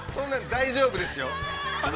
大丈夫ですよ。